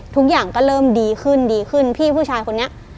ทุกอย่างก็เริ่มดีขึ้นดีขึ้นพี่ผู้ชายคนนี้